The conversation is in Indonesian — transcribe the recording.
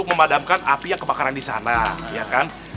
memadamkan apinya kebakaran di sana ya kan